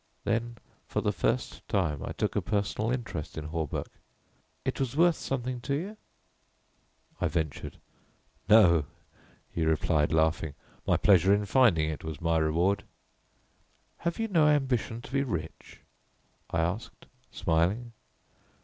Then for the first time I took a personal interest in Hawberk. "It was worth something to you," I ventured. "No," he replied, laughing, "my pleasure in finding it was my reward." "Have you no ambition to be rich?" I asked, smiling.